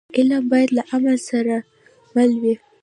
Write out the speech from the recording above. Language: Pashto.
علم باید له عمل سره مل وي.